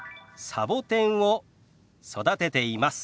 サボテンを育てています。